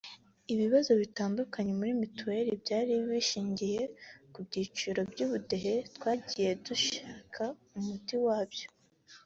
Ibibazo bitandukanye muri mitiweli byari bishingiye ku byiciro by’ubudehe twagiye dushaka umuti wa byo